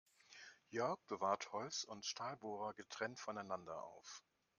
Jörg bewahrt Holz- und Stahlbohrer getrennt voneinander auf.